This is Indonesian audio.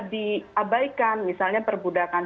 diabaikan misalnya perbudakan